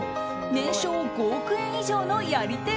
年商５億円以上のやり手